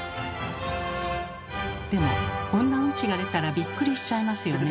でもこんなうんちが出たらびっくりしちゃいますよね。